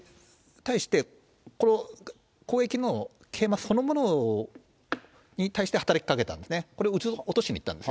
対して、この攻撃の桂馬そのものに対して働きかけたんですね。